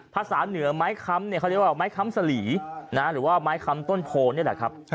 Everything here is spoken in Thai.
ภาษาเหนือไม้คำเนี่ยเขาเรียกว่าไม้ค้ำสลีหรือว่าไม้คำต้นโพนี่แหละครับ